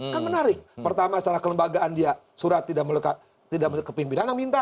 kan menarik pertama salah kelembagaan dia surat tidak melekat tidak menurut pimpinan yang minta